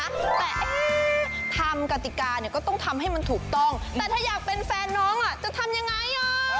แต่เอ๊ะทำกติกาเนี่ยก็ต้องทำให้มันถูกต้องแต่ถ้าอยากเป็นแฟนน้องอ่ะจะทำยังไงอ่ะ